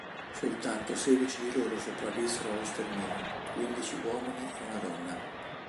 Soltanto sedici di loro sopravvissero allo sterminio, quindici uomini e una donna.